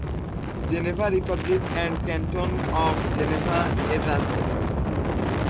Geneva republic and canton of জেনেভা-এর রাজধানী।